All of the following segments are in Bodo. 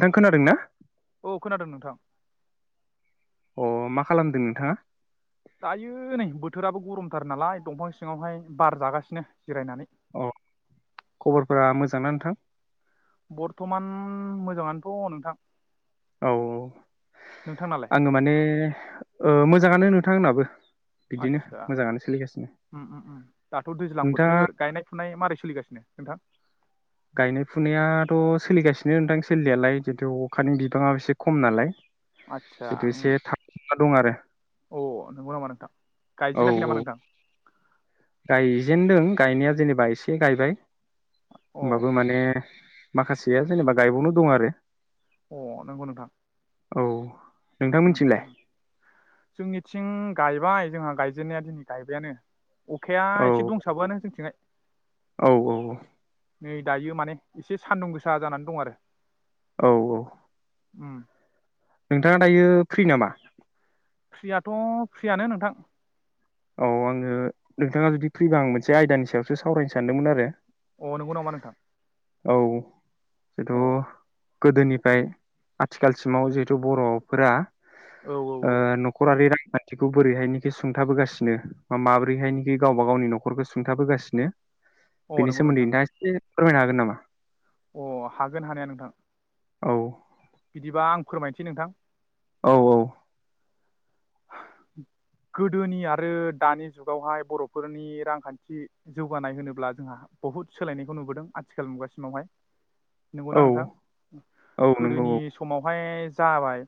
नों खोनादों ना? औ खोनादों नोंथां। अ मा खालामदों नोंथाङा? दायो नै बोथोराबो गरमथार नालाय दंफां सिङावहाय बार जागासिनो जिरायनानै। अ खबरफोरा मोजांना नोंथां? बर्मान मोजाङानोथ नोंथां। औ औ नोंथांनालाय आङो माने ओ मोजां। मोजाङानो नोंथां आंनाबो। बिदिनो आदसा मोजाङानो सोलिगासिनो ओम ओम दाथ दैज्लां नोंथाङा बोथोर गायनाय फुनाय मारै सोलिगासिनो? खोथा गायनाय फुनायाथ सोलिगासिनो नोंथां सोलिनायालाय जिन्थु अखानि बिबाङा एसे खम नालाय। आतसा जिथु एसे थाबथाना दं आरो अ नंगौ नामा नोंथां? औ गायजेनाखै औ नामा नोंथां? गायजेनदों गायनाया जेनेबा एसे गायबाय। अ होमबाबो माने माखासेया जेनेबा गायबावनो दं आरो। अ नंगौ नोंथां। औ ओ नोंथांमोनथिंलाय ओ जोंनिथिं गाय बाय जोंहा गायजेननाया दिनै गायबायानो। अखाया औ एसे दंसाबोआ नो जोंथिंहाय औ नै दायो माने एसे सान्दुं गोसा जानानै दं आरो। औ औ ओम नोंथाङा दायो फ्रि नामा? फ्रियाथ फ्रियानो नोंथां। औ आङो नोंथाङा जुदि फ्रिबा आं मोनसे आयदानि सायावसो सावरायनो सानदोंमोन आरो। अ नंगौ नामा नोंथां? औ अ जेथु गोदोनिफ्राय आथिखालसिमाव जिहेथु बर'फोरा औ ओ न'खरारि हाथिखौ बोरैहायनोखि सुंथाबोगासि नो माब्रैहायनोखि गावबा गावनि न'खरखौ सुंथाबोगासिनो औ अ बेनि नंगौ सोमोनदै नोंथां नोंथाङा एसे फोरमायनो हागोन नामा? अ हागोन हानाया नोंथां। औ बिदिबा आं फोरमायनोसै नोंथां। औ औ। गोदोनि आरो दानि जुगावहाय बर'फोरनि रांखान्थि जौगानाय होनोब्ला जोंहा बहुद सोलायनायखौ नुबोदों आथिखाल मुगासिमावहाय। नंगौना औ नोंथां औ नंगौ गोदोनि समावहाय जाबाय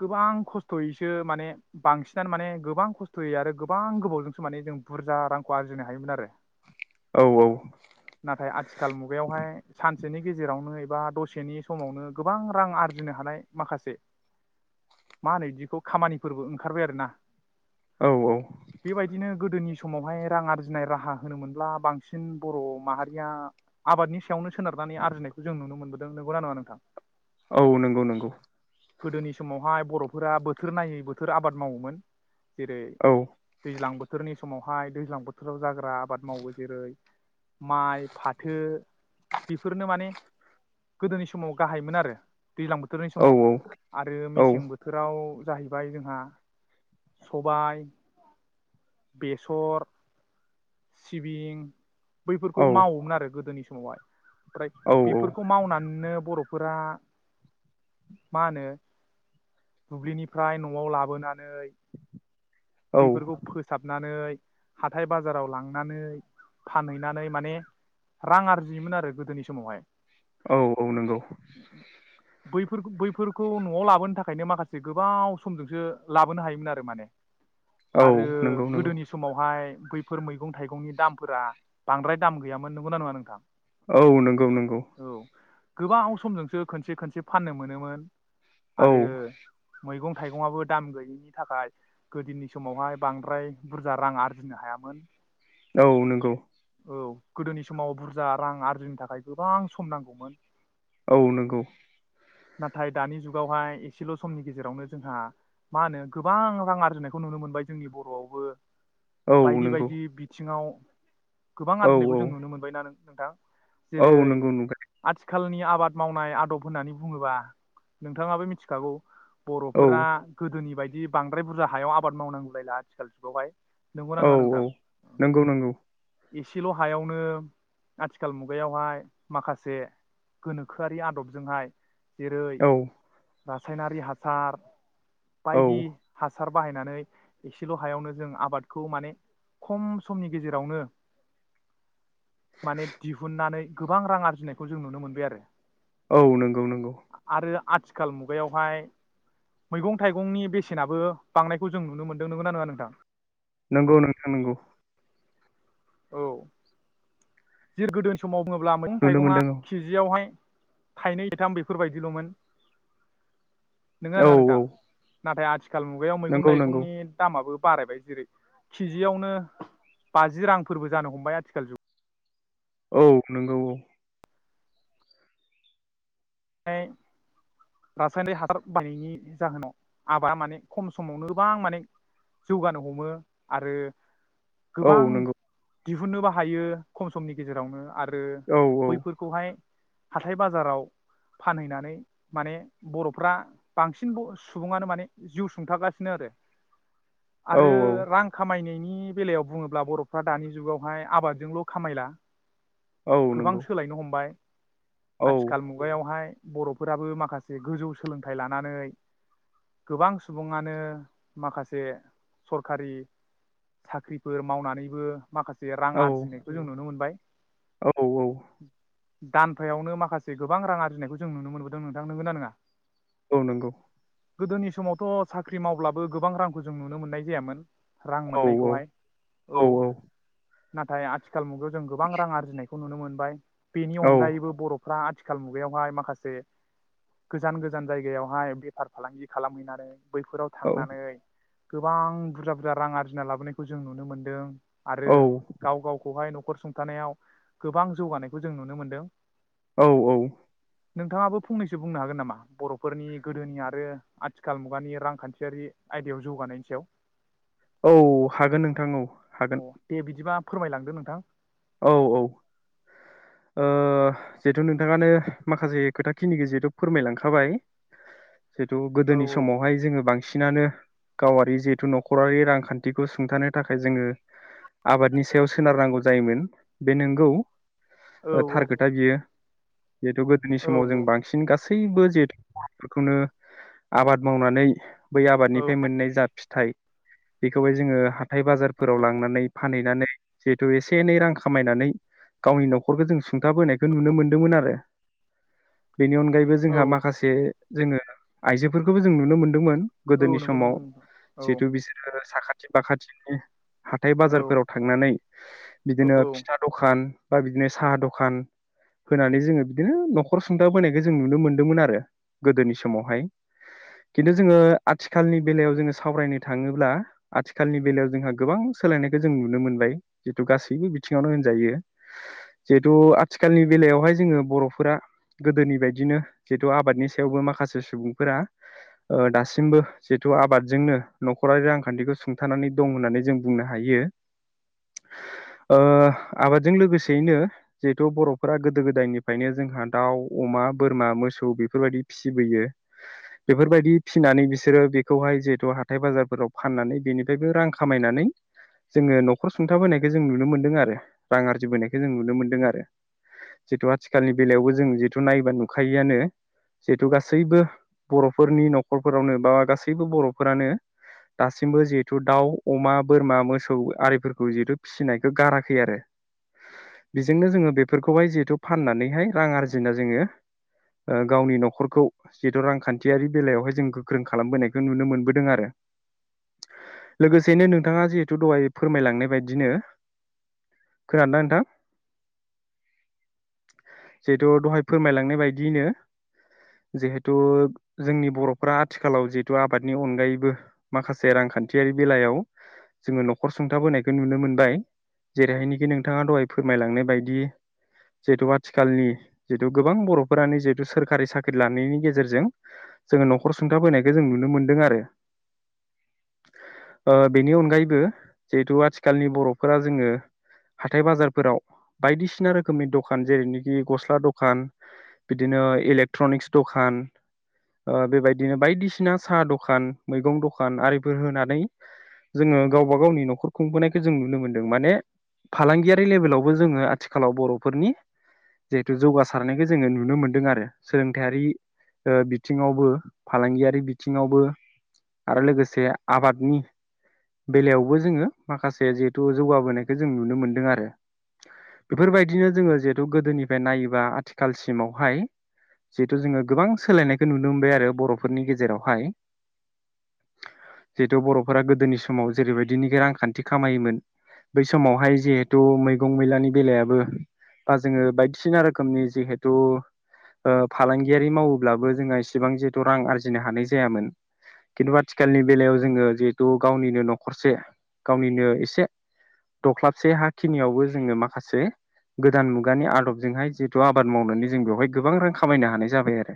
गोबां खस्थ'यैसो माने बांसिनानो माने गोबां खस्थ'यै आरो गोबां गोबावजोंसो माने जों बुरजा रांखौ आर्जिनो हायोमोन आरो। औ नाथाय आथिखाल मुगायावहाय सान सेनि गेजेरावनो एबा दसेनि समावनो गोबां रां आरजिनो हानाय माखासे मा होनो इदिखौ खामानि फोरबो ओंखारबाय आरो ना। औ बेबायदिनो गोदोनि समावहाय रां आरजिनाय राहा होनो मोनब्ला बांसिन बर' माहारिया आबादनि सायावनो सोनारनानै आरजिनायखौ जों नुनो मोनबोदों नंगौना नङा नोंथां? औ नंगौ नंगौ। गोदोनि समावहाय बर'फोरा बोथोर नायै बोथ थोर आबाद मावोमोन जेरै औ दैज्लां बोथोरनि समावहाय दैज्लां बोथोराव जाग्रा आबाद मावो जेरै माइ फाथो बेफोरनो माने गोदोनि समाव गाहाइमोन आरो। दैज्लां बोथोरनि औ समाव आरो औ मेसें बोथोराव जाहैबाय जों हा सबाइ बेसर सिबिं बैफोरखौ औ मावोमोन आरो गोदोनि समावहाय। प्राय औ बेफोरखौ मावनानैनो बर'फोरा मा होनो दुब्लिनिफ्राय न'आव लाबोनानै बिफोरखौ फोसाबनानै हाथाय बाज जाराव लांनानै फानहैनानै माने रां आरजियोमोन आरो गोदोनि समावहाय। औ औ नंगौ। बैफोरखो बैफोरखौ न'आव लाबोनो थाखायनो माखासे गोबाव समजोंसो लाबोनो हायोमोन आरो माने। औ आरो नंगौ नंगौ गोदोनि समावहाय [inaudible] फोर मैगं थाइगंनि दामफोरा बांद्राय दाम गैयामोन नंगौना नङा नोंथां? औ नोंगौ नोंगौ। औ गोबाव समजोंसो खनसे खनसे फाननो मोनोमोन। औ आरो मैगं थाइगंआबो दाम गैयैनि थाखाय गोदोनि समावहाय बांद्राय बुरजा रां आरजिनो हाया मोन। औ नोंगौ। औ गोदोनि समाव बुरजा रां आरजिनो थाखाय गोबां सम नांगौमोन। औ नोंगौ। नाथाय दानि जुगावहाय एसेल' समनि गेजेरावनो जोंहा मा होनो गोबां रां आरजिनायखौ नुनो मोनबाय जोंनि बर'आवबो। औ बायदि नंगौ बायदि बिथिङाव गोबां औ आरजिनायखौ जों नुनो मोनबायना नों नोंथां। औ जेरै नंगौ नुबाय आथिखाल आथिखालनि आबाद मावनाय आदब होननानै बुङोबा नोंथाङाबो मिथिखागौ। औ बर'फोरा गोदोनि बाय दि बांद्राय बुरजा हायाव आबाद मावनांगौलायला आथिखाल जुगावहाय। नंगौना औ नङा औ नोंथां नोंगौ नोंगौ। एसेल' हायावनो आथिखाल मुगायावहाय माखासे गोनोखोआरि आदबजोंहाय जेरै औ रासायनारि हासार औ बायदि हास हासार बाहायनानै एसेल' हायावनो जों आबाद खौ माने खम समनि गेजेरावनो माने दिहुननानै गोबां रां आरजिनायखौ जों नुनो मोनबाय आरो। औ नोंगौ नोंगौ। आरो आथिखाल मुगायावहाय मैगं थाइगंनि बेसेनाबो बांनायखौ जों नुनो मोनदों नोंगौना नङा नोंथां? नोंगौ नोंथां नोंगौ। औ जेरै गोदो समाव बुङोब्ला मैग नुनो थाइगङा मोनदों केजियावहाय थाइनै थायथाम बेफोरबायदिल'मोन। नोंगोना औ नोंङा नोंथां? औ औ नाथाय आथि आथिखाल मुगायाव मैगं नंगौ नंगौ दाइगंनि दामाबो। बारायबाय जेरै किजियावनो बाजि रां। फोरबो जानो हमबाय आथिखाल जुग औ नोंगौ औ। रासायनारि हासार बायनायनि जाहोनाव आबादा माने खम समावनो गोबां माने जौगानो हमो आरो औ गोबां नंगौ दिहुननोबो हायो खम समनि गेजेरावनो आरो औ बैफोरखौहाय हाथाय बाजाराव फानहैनानै माने बर'फ्रा बांसिन सुबुङानो माने जिउ सुंथागासिनो आरो। औ आरो रां खामायनाय नि बेलायाव बुङोब्ला बर'फ्रा दानि जुगावहाय आबादजोंल' खामायला औ गोबां नंगौ सोलायनो हमबाय औ आथिखाल वहाय बर'फोराबो माखासे गोजौ सोलोंथाइ लानानै गोबां सुबुङानो माखासे सरखारि साख्रिफोर मावनानैबो माखासे रां औ आरजिनायखौ जों नुनो मोनबाय औ दानफायावनो माखासे गोबां रां आरजिनायखौ जों नुनो मोनबोदों नोंथां नोंगोनना नोङा औ नंगौ। गोदोनि समावथ' साख्रि मावब्लाबो गोबां रांखौ जों नुनो मोननाय जायामोन रां औ मोननायखौहाय औ। नाथाय आ आथिखाल मुगायाव जों गोबां आरजिनाय खौ नुनो मोनबाय बेनि औ अनगायैबो बर'फ्रा आथिखाल मुगायावहाय माखासे गोजान गोजान जायगायावहाय बेफार फालांगि खालामहैनानै बैफोराव थांनानै गोबां बुरजा बुरजा रां आरजिना लाबोनायखौ जों नुनो मोन्दों आरो गाव गावखौहाय न'खर नखर सुंथानायाव गोबां जौगानायखौ जों नुनो मोनदों औ औ औ। नोंथाङाबो फंनैसो बुंनो हागोन नामा बर'फोरनि गोदोनि आरो आथिखाल मुगानि रांखान्थियारि आयदायाव जौगानायनि सायाव? औ हागोन नोंथां औ हागोन अ दे बिदिबा फोरमायलांदो नोंथां! औ औ जिहेथु ओ नोंथाङानो माखासे खोथा खिनिखौ जिहेथु फोरमायलांखाबाय जिहेतु औ गोदोनि समावहाय जोङो बांसिन बिसिनानो गावारि जिहेथु न'खरारि रांखान्थिखौ सुंथानो थाखाय जोङो आबादनि सायाव सोनारनांगौ जायोमोन बे नंगौ। औ थार खोथा बेयो जिहेथु गोदोनि समाव जों औ औ नंगौ बांसिन गास गासैबो जेथफोरखौनो आबाद मावनानै बै औ आबादनिफ्राय मोननाय जा फि हाथाय बेखौहाय जोंङो हाथाय बाजारफोराव लांनानै फानहैनानै जिहेथु एसे एनै रां खामायनानै गावनि न'खरखौ जों सुंथाबोनायखौ नुनो मोनदोंमोन आरो। बेनि अनगायैबो औ जोंहा माखासे जोंङो आइजोफोरखौबो जों नुनो मोनदोंमोन। गोदोनि औ नंगौ समाव नंगौ नोंथां औ जिहेतु बिसोरो साखाथि [unintelligible] खाथिनि हाथाय बाजारफोराव थांनानै बिदिनो औ औ फिथा दखान बा बिदिनो साहा दखान होनानै जोंङो बिदिनो न'खर सुंथा बोनायखौ जों नुनो मोनदोंमोन आरो गोदोनि समावहाय। खिन्थु जोंङो आथिखालनि बेलायाव जोंङो सावरायनो थाङोब्ला आथिखालनि बेलायाव जोंहा गोबां सोलायनायखौ जों नुनो मोनबाय। जितु गासैबो बि बिथिङावनो होनजायो जिहेथु आथिखालनि बेलायावहाय जोंङो बर'फोरा गोदोनि बायदिनो जिहेतु आबादनि सायावबो माखासे सुबुंफोरा ओ दासिमबो जिहेतु आबादजोंनो न'खरारि रांखान्थिखौ सुंथानानै दं होननानै जों बुंनो हायो। ओ आबादजों लोगोसेयैनो जिहेथु बर'फोरा गोदो गोदायनिफ्रायनो जोंहा दाउ अमा बोरमा मोसौ बेफोरबायदि फिसिबोयो बेफोरबायदि फिसिनानै बिसोरो बेखौहाय जिहेथु हाथाय बाजारफोराव फाननानै बेनिफ्रायबो रां खामायनानै जोंङो न'खर सुंथाबोनायखौ जों नुनो मोन आरो रां आरजिबोनायखौ जों नुनो मोनदों आरो जिहेतु आथिखालनि बेलायावबो जों जिहेतु नायोबा नुखायोआनो जिहेतु गासैबो बर'फोरनि न'खरफोरावनो बा गासैबो बर'फोरानो दासिमबो जिहेथु दाउ अमा बोरमा मोसौ आरिफोरखौ जिहेतु फिसिनाय बे गाराखै आरो बेजोंनो जोंङो बेफोरखौहाय जिहेथु फाननानैहाय रां आरजिना जोंङो ओ गावनि न'खरखौ जिहेथु रांखान्थियारि बेलायावहाय जों गोख्रों खालामबोनायखौ नुनो मोनबोदों आरो लोगोसेनो नोंथाङा जिहेथु दहाय फोरमायलांनाय बायदिनो खोनादों ना नोंथां? जिहेथु दहाय फोरमायलांनाय बायदियैनो जिहेथु जोंनि बर'फोरा आथिखालाव जिहेथु आबादनि अनगायैबो माखासे रांखान्थियारि बेलायाव जोंङो न'खर सुंथाबोनायखौ नुनो मोनबाय। जेरैहायनोखि नोंथाङा दहाय फोरमायलांनाय बायदि जिहेथु आथिखालनि जितु गोबां बर'फोरानो जिहेतु सोरखारि साख्रि लानायनि गेजेरजों जोंङो न'खर सुंथा बोनायखौ जों नुनो मोनदों आरो ओ बेनि अनगायैबो जिहेतु आथिखालनि बर' फोर जोंङो हाथाय बाजारफोराव बायदिसिना रोखोमनि दखान जेरैनोखि गस्ला दखान बिदिनो इलेक्ट्रनिक्स दखान ओ बेबायदिनो बायदिसिना साहा दखान मैगं दखान आरिफोर होनानै जोंङो गावबा गावनि न'खर खुंबोनायखौ जों नुनो मोन माने फालांगियारि लेभेलावबो जोंङो आथिखालाव बर'फोरनि जिहेथु जौगासारनायखौ जोंङो नुनो मोनदों आरो सोलोंथायारि ओ बिथिङावबो फालांगियारि बिथिङावबो आरो लोगोसे आबादनि बेलायावबो जोंङो माखासे जौगा जौगाबोनायखौ जों नुनो मोनदों आरो बेफोरबायदिनो जोंङो जिहेथु गोदोनिफ्राय नायोबा आथिखालसिमावहाय जिहेथु जोंङो गोबां सोलायनायखौ नुनो मोनबाय आरो बर'फोरनि गेजेरावहाय जिहेतु बर'फोरा गोदोनि समाव जेरैबायदिनोखि रांखान्थि खामायोमोन। बै समावहाय जिहेथु मैगं मैलानि बेलायाबो बा जोंङो बायदिसिना रोखोमनि जिहेथु ओ फालांगियारि ओ मावोब्लाबो जोंहा इसेबां जिहेथु रां आरजिनो हानाय जायामोन खिन्थु आथिखालनि बेलायाव जोंङो जिहेथु गावनिनो न'खरसे गावनिनो एसे दख्लाबसे हा खिनियावबो जोंङो माखासे गोदान मुगानि आदबजोंहाय जिहेथु आबाद मावनानै जों बेवहाय गोबां रां खामायनो हानाय जाबाय आरो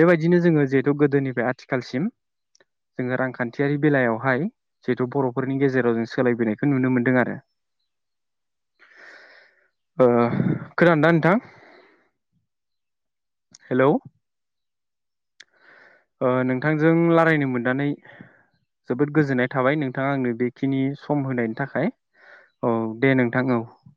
बेबायदिनो जोंङो जिहेथु गोदोनिफ्राय आथिखालसिम जोंङो रांखान्थियारि बेलायावहाय जिहेतु बर'फोरनि गेजेराव जों सोलायबोनायखौ नुनो मोनदों आरो। ओ खोनादोंना नोंथां? हेलौ ओ नोंथांजों लायरायनो मोननानै जोबोद गोजोननाय थाबाय नोंथाङा आंनो बेखिनि सम होनायनि थाखाय औ दे नोंथां औ।